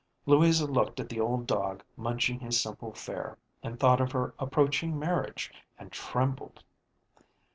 Louisa looked at the old dog munching his simple fare, and thought of her approaching marriage and trembled.